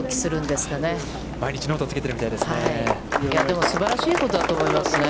でも、すばらしいことだと思いますね。